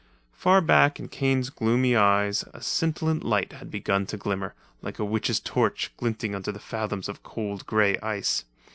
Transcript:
Far back in Kane's gloomy eyes a scintillant light had begun to glimmer, like a witch's torch glinting under fathoms of cold grey ice.